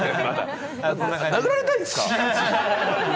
殴られたいんですか？